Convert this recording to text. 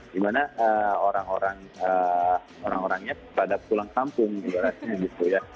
di mana orang orangnya pada pulang kampung juga rasanya gitu ya